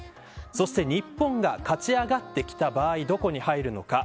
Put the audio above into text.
そして日本が勝ち上がってきた場合、どこに入るのか。